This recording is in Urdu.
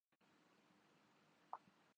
اور کپتان کا سب سے برا جرم" میچ کو فنش نہ کرنا ہے